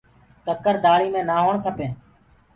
ڪڪر دآݪی مي نآ هوڻ کپينٚ۔